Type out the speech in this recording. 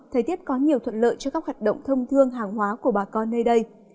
thời tiết có nhiều thuận lợi cho các hoạt động thông thương hàng hóa của bà con nơi đây